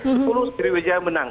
sepuluh segeri geri menang